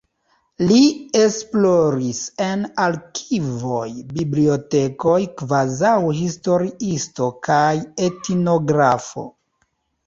Li esploris en arkivoj, bibliotekoj kvazaŭ historiisto kaj etnografo.